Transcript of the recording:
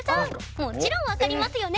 もちろん分かりますよね？